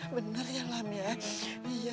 benar ya lam ya